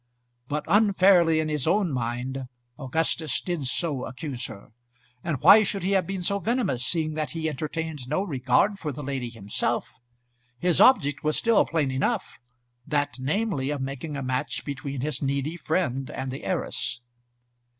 But unfairly, in his own mind, Augustus did so accuse her. And why should he have been so venomous, seeing that he entertained no regard for the lady himself? His object was still plain enough, that, namely, of making a match between his needy friend and the heiress.